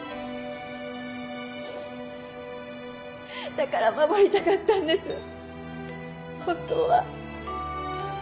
だから守りたかったんです本当は。